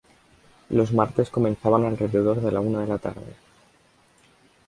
Los martes comenzaban alrededor de la una de la tarde.